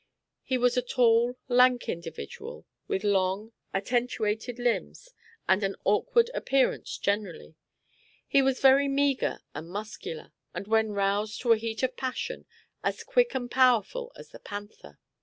He was a tall, lank individual, with long, attentuated limbs and an awkward appearance generally. He was very meager and muscular, and when roused to a heat of passion, as quick and powerful as the panther.